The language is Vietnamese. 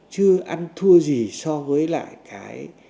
chưa ăn thua gì so với lại cái